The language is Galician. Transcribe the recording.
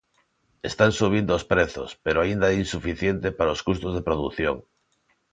Están subindo os prezos, pero aínda é insuficiente para os custos de produción.